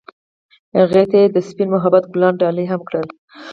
هغه هغې ته د سپین محبت ګلان ډالۍ هم کړل.